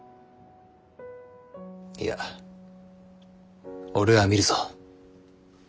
いや俺は見るぞ。